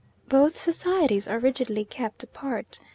Both societies are rigidly kept apart.